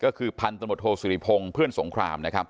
ก็คือพันต์ตระบดโทษศุรีพงศ์เพื่อนสงคราม